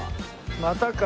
またか。